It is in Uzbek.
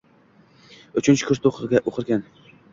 Uchinchi kursda o`qirkan